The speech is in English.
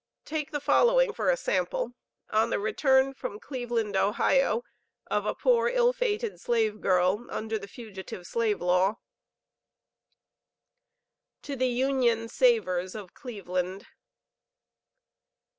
Take the following for a sample, on the return from Cleveland, Ohio, of a poor, ill fated slave girl, (under the Fugitive Slave Law): TO THE UNION SAVERS OF CLEVELAND.